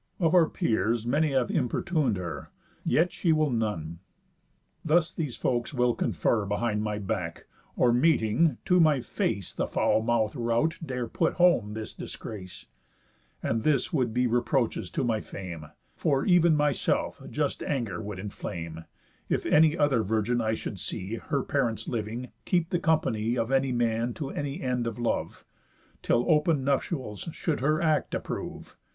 Of our peers many have importun'd her, Yet she will none.' Thus these folks will confer Behind my back; or, meeting, to my face The foul mouth rout dare put home this disgrace; And this would be reproaches to my fame, For, ev'n myself just anger would inflame, If any other virgin I should see, Her parents living, keep the company Of any man to any end of love, Till open nuptials should her act approve.